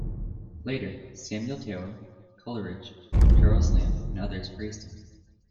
Later, Samuel Taylor Coleridge, Charles Lamb and others praised him.